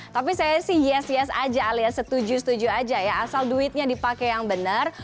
tapi saya sih yes yes aja alias setuju setuju aja ya asal duitnya dipakai yang benar